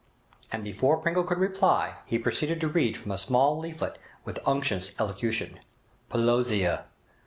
And before Pringle could reply he proceeded to read from a small leaflet with unctuous elocution: 'Pelosia.